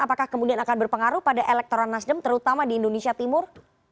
apakah kemudian akan berpengaruh pada elektoral nasdem terutama di indonesia timur